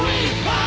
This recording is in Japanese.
ああ。